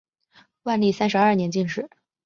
万历三十二年进士。